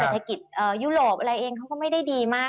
เศรษฐกิจยุโรปเขาก็ไม่ได้ดีมาก